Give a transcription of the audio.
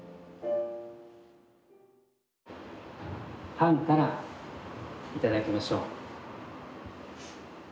パンから頂きましょう。